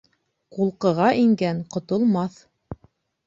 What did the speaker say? Ҡулҡыға ингән ҡотолмаҫ